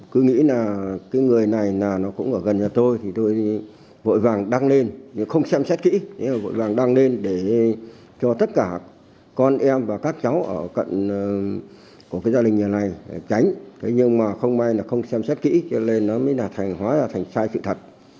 của gia đình nhà này tránh nhưng không may là không xem xét kỹ cho nên nó mới hóa ra thành sai sự thật